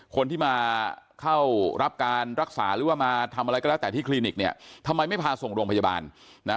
คนที่มาเข้ารับการรักษาหรือว่ามาทำอะไรก็แล้วแต่ที่คลินิกเนี่ยทำไมไม่พาส่งโรงพยาบาลนะฮะ